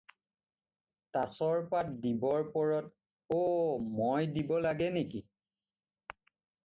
তাচৰ পাত দিবৰ পৰত "অ' মই দিব লাগে নেকি?"